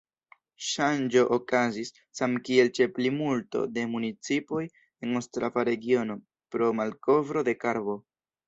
Ŝanĝo okazis, samkiel ĉe plimulto de municipoj en Ostrava-regiono, pro malkovro de karbo.